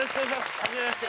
はじめまして。